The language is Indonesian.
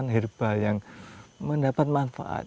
herbal yang mendapat manfaat